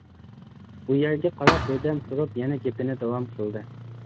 ئۇ يەرگە قاراپ بىردەم تۇرۇپ يەنە گېپىنى داۋام قىلدى.